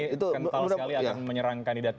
ini kental sekali akan menyerang kandidat